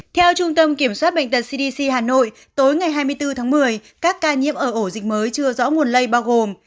theo trung tâm kiểm soát bệnh tật cdc hà nội tối ngày hai mươi bốn tháng một mươi các ca nhiễm ở ổ dịch mới chưa rõ nguồn lây bao gồm